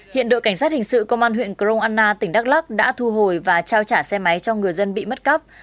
hiện đội cảnh sát hình sự công an huyện crong anna tỉnh đắk lắc đã thu hồi và trao trả xe máy cho người dân bị mất cắp